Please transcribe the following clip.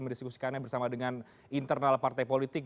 mendiskusikannya bersama dengan internal partai politik